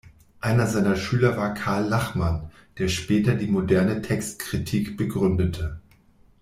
Einer seiner Schüler war Karl Lachmann, der später die moderne Textkritik begründete.